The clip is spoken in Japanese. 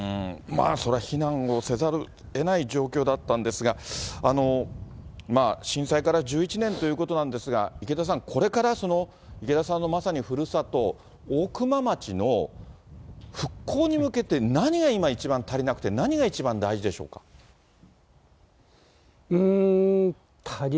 それは避難をせざるをえない状況だったんですが、震災から１１年ということなんですが、池田さん、これから池田さんのまさにふるさと、大熊町の復興に向けて何が一番足りなくて、何が一番大事でしょうか。